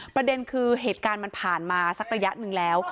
ประเด็นคือเหตุการณ์มันผ่านมาสักระยะหนึ่งแล้ว